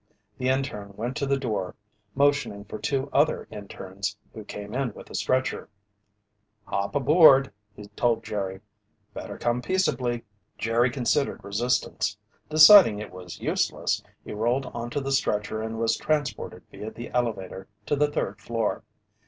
The interne went to the door, motioning for two other internes who came in with a stretcher. "Hop aboard," he told Jerry. "Better come peaceably." Jerry considered resistance. Deciding it was useless, he rolled onto the stretcher and was transported via the elevator to the third floor.